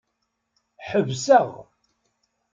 Ḥebseɣ.